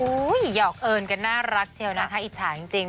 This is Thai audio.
หยอกเอิญกันน่ารักเชียวนะคะอิจฉาจริง